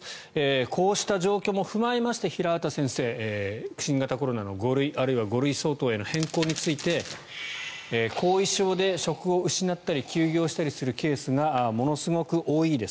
こうした状況も踏まえて平畑先生、新型コロナの５類あるいは５類相当への変更について後遺症で職を失ったり休業したりするケースがものすごく多いです